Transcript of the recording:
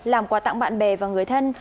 làm quà tặng bạn bè và người thân